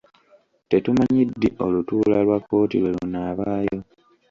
Tetumanyi ddi olutuula lwa kkooti lwe lunaabaayo.